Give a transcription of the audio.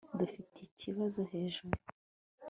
dufite ikibazo hejuru